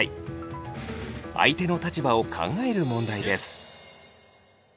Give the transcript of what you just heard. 相手の立場を考える問題です。